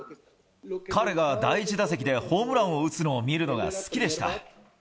彼が第１打席でホームランを打つのを見るのが好きでした。